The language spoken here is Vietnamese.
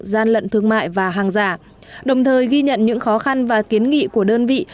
gian lận thương mại và hàng giả đồng thời ghi nhận những khó khăn và kiến nghị của đơn vị